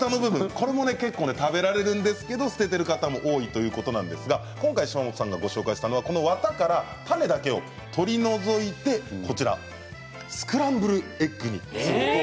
ここも食べられるんですが捨てている方が多いということなんですが、今回島本さんがご紹介してくれたのはわたから種だけを取り除いてスクランブルエッグにする。